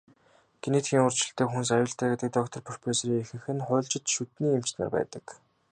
Генетикийн өөрчлөлттэй хүнс аюултай гэдэг доктор, профессорын ихэнх нь хуульчид, шүдний эмч нар байдаг.